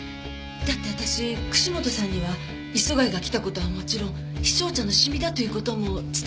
だって私串本さんには磯貝が来た事はもちろん陽尚茶のシミだという事も伝えてませんから。